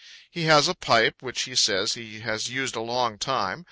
He has a pipe which he says he has used a long time.